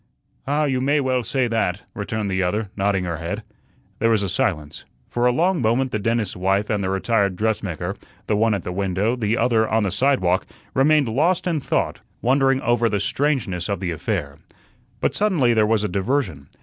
"Ah, you may well say that," returned the other, nodding her head. There was a silence. For a long moment the dentist's wife and the retired dressmaker, the one at the window, the other on the sidewalk, remained lost in thought, wondering over the strangeness of the affair. But suddenly there was a diversion.